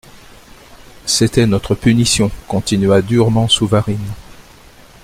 C'était notre punition, continua durement Souvarine.